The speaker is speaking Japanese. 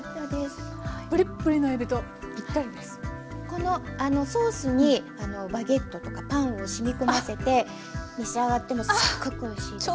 このソースにバゲットとかパンを染み込ませて召し上がってもすっごくおいしいです。